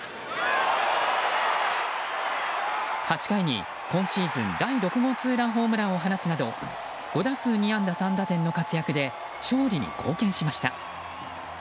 ８回に今シーズン第６号ツーランホームランを放つなど５打数２安打３打点の活躍で勝利に貢献しました。